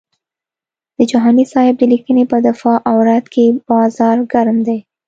د جهاني صاحب د لیکنې په دفاع او رد کې بازار ګرم دی.